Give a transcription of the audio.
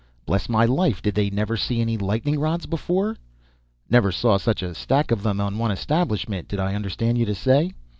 Bless my life, did they never see any lightning rods before? Never saw 'such a stack of them on one establishment,' did I understand you to say?